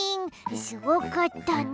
すごかったね。